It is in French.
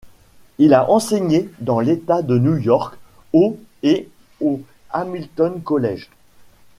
Il a enseigné dans l'État de New York au et au Hamilton College.